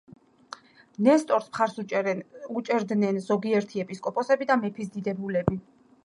ნესტორს მხარს უჭერდნენ ზოგიერთი ეპისკოპოსები და მეფის დიდებულები.